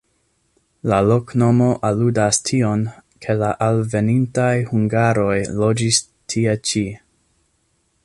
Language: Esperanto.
La loknomo aludas tion, ke la alvenintaj hungaroj loĝis tie ĉi.